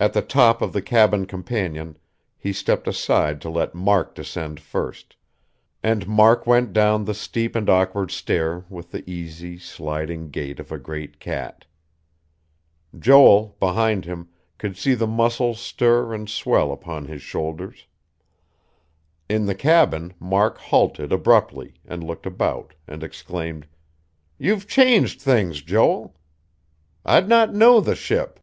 At the top of the cabin companion, he stepped aside to let Mark descend first; and Mark went down the steep and awkward stair with the easy, sliding gait of a great cat. Joel, behind him, could see the muscles stir and swell upon his shoulders. In the cabin, Mark halted abruptly, and looked about, and exclaimed: "You've changed things, Joel. I'd not know the ship."